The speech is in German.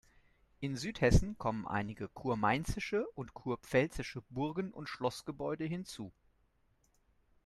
In Südhessen kommen einige kurmainzische und kurpfälzische Burgen- und Schlossgebäude hinzu.